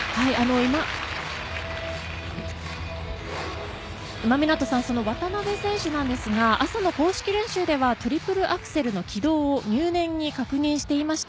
今湊さん、渡辺選手なんですが朝の公式練習ではトリプルアクセルの軌道を入念に確認していました。